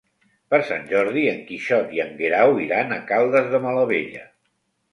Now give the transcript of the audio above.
Per Sant Jordi en Quixot i en Guerau iran a Caldes de Malavella.